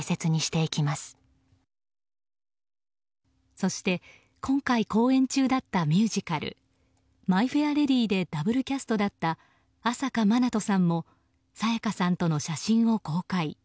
そして、今回公演中だったミュージカル「マイ・フェア・レディ」でダブルキャストだった朝夏まなとさんも沙也加さんとの写真を公開。